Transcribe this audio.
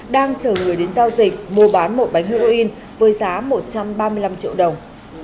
đang chở người đến giao dịch mua bán một bánh heroin với giá một trăm ba mươi năm triệu đồng